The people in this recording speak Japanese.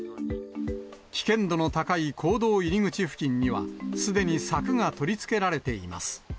危険度の高い坑道入り口付近には、すでに柵が取り付けられています。